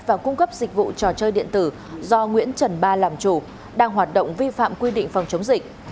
và cung cấp dịch vụ trò chơi điện tử do nguyễn trần ba làm chủ đang hoạt động vi phạm quy định phòng chống dịch